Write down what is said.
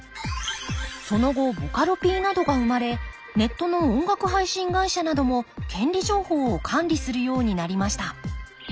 その後ボカロＰなどが生まれネットの音楽配信会社なども権利情報を管理するようになりました。